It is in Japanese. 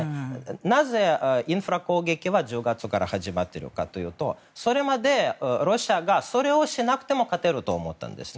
なぜ、インフラ攻撃は１０月から始まっているかというとそれまではロシアはそれをしなくても勝てると思ったんですね。